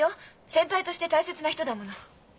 先輩として大切な人だもの。